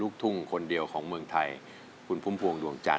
กระแซะกระแซะเข้ามาสิ